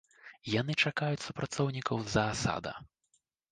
Яны чакаюць супрацоўнікаў заасада.